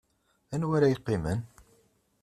Anwa ara yeqqimen?